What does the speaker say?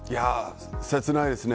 切ないですね。